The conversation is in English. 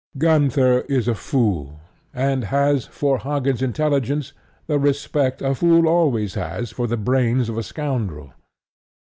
Gunther is a fool, and has for Hagen's intelligence the respect a fool always has for the brains of a scoundrel.